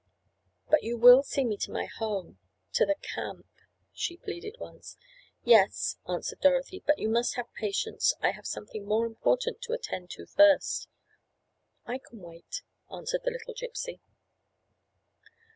"But you will see me to my home—to the camp?" she pleaded once. "Yes," answered Dorothy. "But you must have patience—I have something more important to attend to first." "I can wait," answered the little Gypsy.